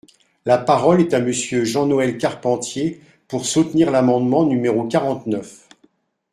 La parole est à Monsieur Jean-Noël Carpentier, pour soutenir l’amendement numéro quarante-neuf.